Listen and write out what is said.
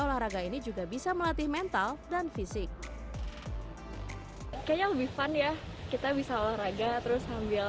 olahraga ini juga bisa melatih mental dan fisik kayaknya lebih fun ya kita bisa olahraga terus ngambil